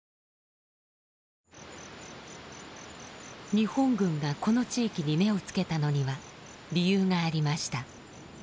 日本軍がこの地域に目をつけたのには理由がありました。